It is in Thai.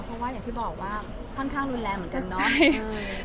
ก็อย่างที่บอกค่อนข้างโรนแรมเหมือนกันเนาะ